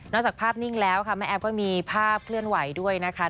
จากภาพนิ่งแล้วค่ะแม่แอฟก็มีภาพเคลื่อนไหวด้วยนะคะ